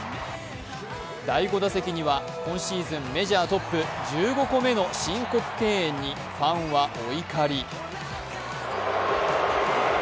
第５打席には今シーズンメジャートップ１５個目の申告敬遠にファンはお怒り。